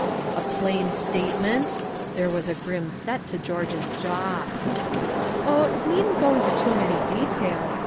"A plain statement?" There was a grim set to George's jaw. "Oh, it needn't go into too many details.